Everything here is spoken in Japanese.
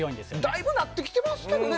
だいぶなってきていますけどね